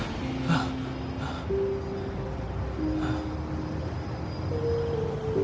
apa yang terjadi